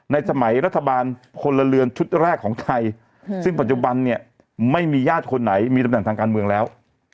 สมัยรัฐบาลพลเรือนชุดแรกของไทยซึ่งปัจจุบันเนี่ยไม่มีญาติคนไหนมีตำแหน่งทางการเมืองแล้ว